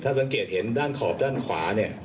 ถ้าสังเกตเห็นด้านขอบด้านขวาเนี่ย